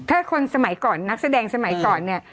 ถ้าคนสมัยก่อนนักแสดงสมัยก่อนเนี่ย